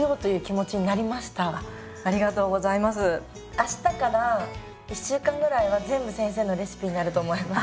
あしたから１週間ぐらいは全部先生のレシピになると思います。